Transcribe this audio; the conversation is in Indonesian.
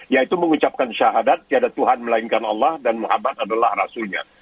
yaitu mengucapkan syahadat tiada tuhan melainkan allah dan muhammad adalah rasulnya